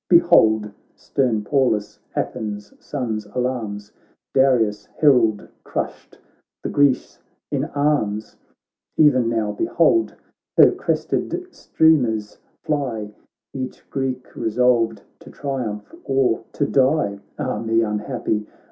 Behold stern Pallas Athens' sons alarms, Darius' herald crushed, and Greece in arms ; E'en now behold her crested streamers fly, Each Greek resolved to trium ph or to die. Ah me, unhappy